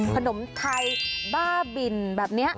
ขนมไทยบ้าบินแบบนี้